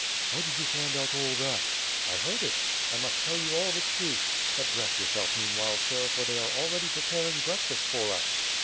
"How did you find out all that?" "I heard it. I must tell you all the truth; but dress your self meanwhile, sir, for they are already preparing breakfast for us.